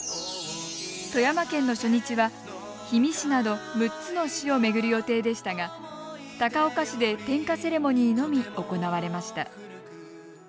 富山県の初日は氷見市など６つの市を巡る予定でしたが高岡市で点火セレモニーのみ行われました。